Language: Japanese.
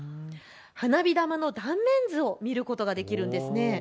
花火玉の断面図を見ることができるんです。